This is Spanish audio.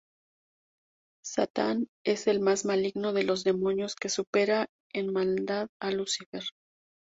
Satán es el más maligno de los demonios, que supera en maldad a Lucifer.